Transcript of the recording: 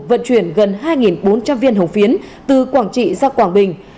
vận chuyển gần hai bốn trăm linh viên hồng phiến từ quảng trị ra quảng bình